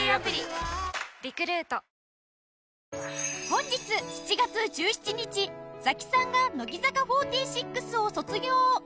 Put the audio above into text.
本日７月１７日ザキさんが乃木坂４６を卒業。